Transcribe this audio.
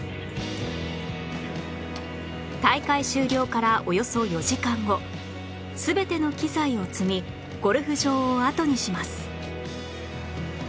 大会終了からおよそ４時間後全ての機材を積みゴルフ場をあとにします